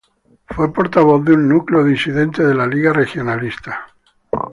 Fue portavoz de un núcleo disidente de la Lliga Regionalista.